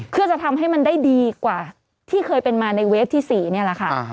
เพื่อจะทำให้มันได้ดีกว่าที่เคยเป็นมาในเวฟที่๔นี่แหละค่ะ